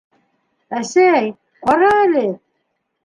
Әсәй, ҡара әле!